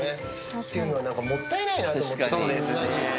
っていうのは、なんかもったいないなと思って。